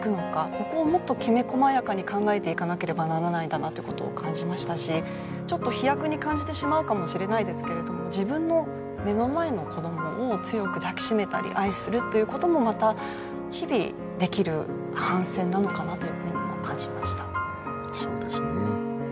ここをもっときめ細やかに考えていかなければならないんだなということを感じましたしちょっと飛躍に感じてしまうかもしれないですけれども自分の目の前の子どもを強く抱きしめたり愛するということもまた日々できる反戦なのかなというふうにも感じましたそうですね